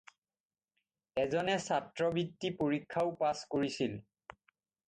এজনে ছাত্ৰবৃত্তি পৰীক্ষাও পাছ কৰিছিল।